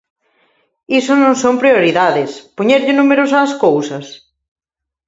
¿Iso non son prioridades: poñerlles números ás cousas?